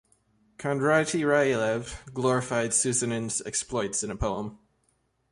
Kondraty Ryleyev glorified Susanin's exploits in a poem.